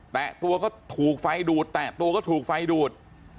ตัวก็ถูกไฟดูดแตะตัวก็ถูกไฟดูด